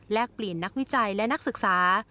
เปลี่ยนนักวิจัยและนักศึกษา